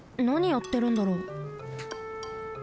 なにやってるんだろう。